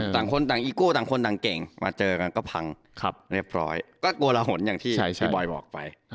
ต่างคนต่างอีโก้ต่างคนต่างเก่งมาเจอกันก็พังเรียบร้อยก็โกละหนอย่างที่พี่บอยบอกไป